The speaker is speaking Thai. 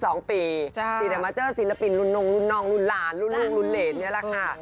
ศีลมาเจอศิลปินรุนนองรุนนองรุนหลานรุนลุงรุนเหรนอย่างนี้แหละค่ะ